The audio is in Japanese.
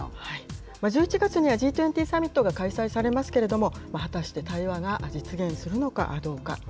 １１月には、Ｇ２０サミットが開催されますけれども、果たして、対話が実現するのかどうか。